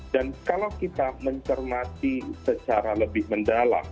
dan kalau kita mencermati secara lebih mendalam